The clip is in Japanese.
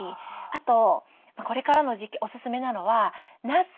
あとこれからの時期おすすめなのはなす